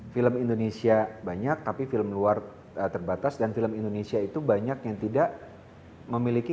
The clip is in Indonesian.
film indonesia banyak tapi film luar terbatas dan film indonesia itu banyak yang tidak memiliki